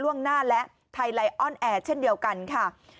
ล่วงหน้าและไทยไลออนแอร์เช่นเดียวกันค่ะ